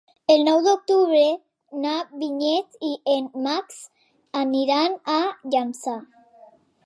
El nou d'octubre na Vinyet i en Max aniran a Llançà.